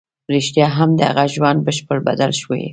رښتيا هم د هغه ژوند بشپړ بدل شوی و.